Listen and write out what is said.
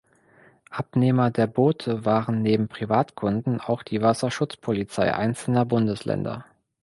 Abnehmer der Boote waren neben Privatkunden auch die Wasserschutzpolizei einzelner Bundesländer.